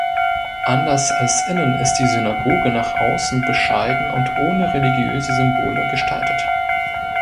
Anders als innen ist die Synagoge nach außen bescheiden und ohne religiöse Symbole gestaltet.